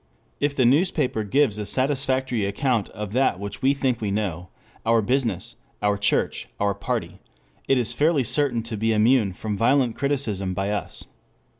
If the newspaper gives a satisfactory account of that which we think we know, our business, our church, our party, it is fairly certain to be immune from violent criticism by us.